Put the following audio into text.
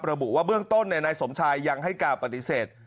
ระบุว่าเบื้องต้นนายสมชายยังให้การปฏิเสธ